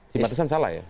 simpatisan salah ya